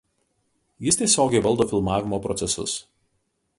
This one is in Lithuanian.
Jis tiesiogiai valdo filmavimo procesus.